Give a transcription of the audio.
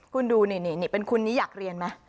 คุณดูนี่เป็นคุณนี้อยากเรียนไหม